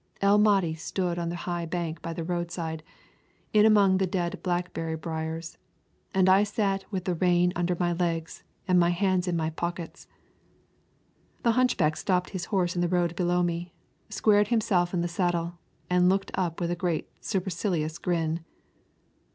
El Mahdi stood on the high bank by the roadside, in among the dead blackberry briers, and I sat with the rein under my legs and my hands in my pockets. The hunchback stopped his horse in the road below me, squared himself in his saddle, and looked up with a great supercilious grin.